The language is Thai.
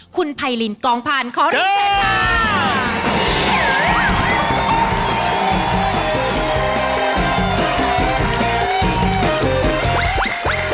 คุณไภลินกองพันธุ์ขอร้องกับเจ้าบ้าน